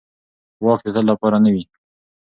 واک د تل لپاره نه وي